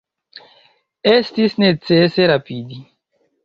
Estis necese rapidi.